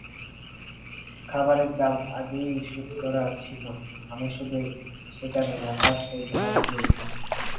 খাবারের দাম আগেই শোধ করা ছিল, আমি শুধু সেখানে রাখার অজুহাতে গিয়েছিলাম।